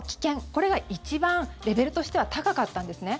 これが一番、レベルとしては高かったんですね。